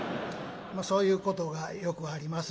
そういうことがよくあります。